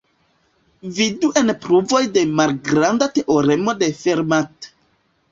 Vidu en pruvoj de malgranda teoremo de Fermat.